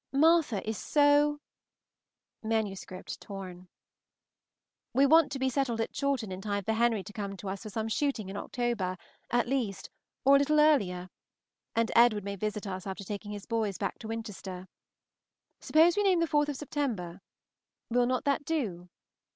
Martha is so [MSS. torn]. ... We want to be settled at Chawton in time for Henry to come to us for some shooting in October, at least, or a little earlier, and Edward may visit us after taking his boys back to Winchester. Suppose we name the 4th of September. Will not that do?